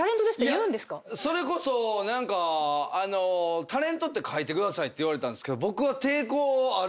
それこそ何か「タレントって書いてください」って言われたんですけど僕は抵抗あるので。